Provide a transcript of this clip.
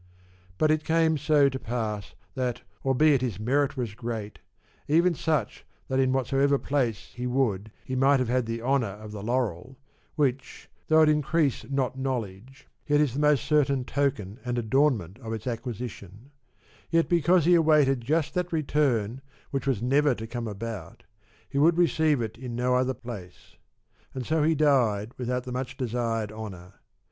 But it came so to pass that, albeit his merit was great, even such that in whatsoever place he would he might have had the honour of the laurel (which, though it increase not knowledge, yet is the most certain token and adornment of its acquisition) yet because he awaited just that return which was never to come about, he would receive it in no other place. And so he died without the much desired honour.